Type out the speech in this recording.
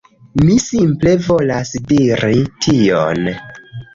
Mi simple volas diri tion.